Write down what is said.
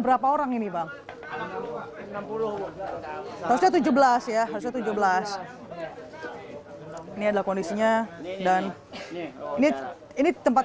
berapa orang ini bang enam puluh harusnya tujuh belas ya harusnya tujuh belas ini adalah kondisinya dan ini ini tempat